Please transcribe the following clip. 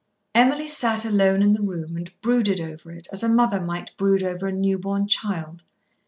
Emily sat alone in the room and brooded over it as a mother might brood over a new born child.